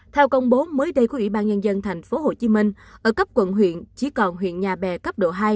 theo công bố mới đây của ủy ban nhân dân tp hcm ở cấp quận huyện chỉ còn huyện nhà bè cấp độ hai